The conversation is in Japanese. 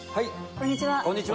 こんにちは。